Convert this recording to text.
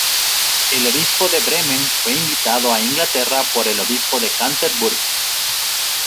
El Obispo de Bremen fue invitado a Inglaterra por el Obispo de Canterbury.